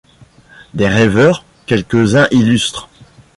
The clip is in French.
Des rêveurs, quelques-uns illustres